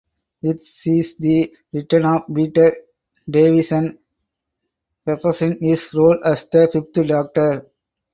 It sees the return of Peter Davison reprising his role as the Fifth Doctor.